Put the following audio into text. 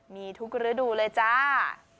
มีทุกฤดูเลยจ้า